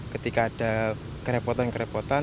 ketika ada kerepotan kerepotan